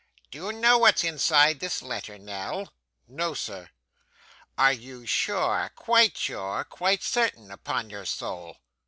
'Do you know what's inside this letter, Nell?' 'No, sir!' 'Are you sure, quite sure, quite certain, upon your soul?